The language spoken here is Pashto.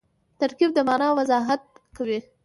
ترکیب د مانا وضاحت کوي.